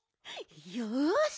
よし！